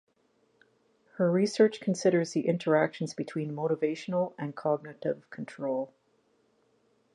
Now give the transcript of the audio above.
Her research considers the interactions between motivational and cognitive control.